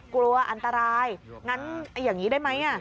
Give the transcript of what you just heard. กลัวอันตรายงั้นอย่างนี้ได้ไหม